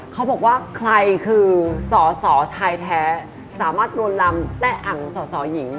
เขาบอกว่าใครคือสอสอชายแท้สามารถลวนลำแตะอังสอสอหญิง